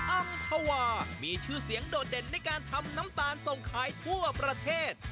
อำภาวามีชื่อเสียงโดดเด่นในการทำน้ำตาลส่งขายทั่วประเทศ